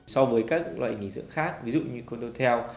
so với các loại nghỉ dưỡng khác ví dụ như condotel